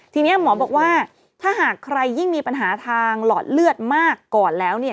ทีนี้หมอบอกว่าถ้าหากใครยิ่งมีปัญหาทางหลอดเลือดมากก่อนแล้วเนี่ย